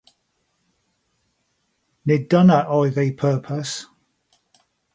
Nid dyna oedd eu pwrpas.